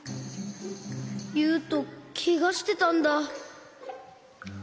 ゆうとけがしてたんだ。